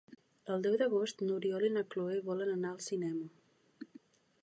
El deu d'agost n'Oriol i na Cloè volen anar al cinema.